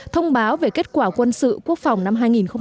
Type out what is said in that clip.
thông báo về kết quả quân sự quốc phòng năm hai nghìn một mươi chín